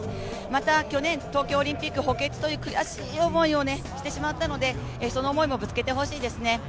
また、去年東京オリンピック補欠という、悔しい思いをしてしまったので、その思いもぶつけてほしいですね。